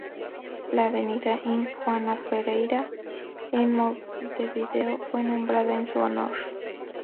La avenida Ing. Juana Pereyra en Montevideo fue nombrada en su honor.